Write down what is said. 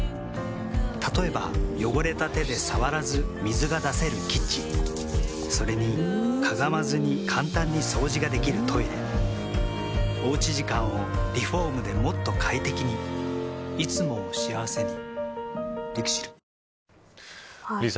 例えば汚れた手で触らず水が出せるキッチンそれにかがまずに簡単に掃除ができるトイレおうち時間をリフォームでもっと快適にいつもを幸せにＬＩＸＩＬ。